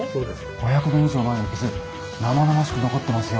５００年以上前の傷生々しく残ってますよ。